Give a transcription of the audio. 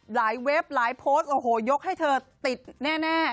เว็บหลายโพสต์โอ้โหยกให้เธอติดแน่